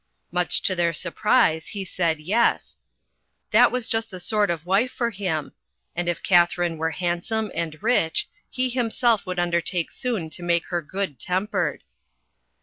Much to their surprise he said yes, that was just the sort of wife for him, and if Katharine were handsome and rich, he himself would undertake soon to make her good tempered.